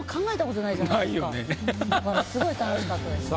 すごい楽しかったです。